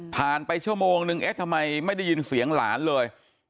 ผ่านไปชั่วโมง๑เ๊ะทำไมไม่ยินเสียงหลานเลย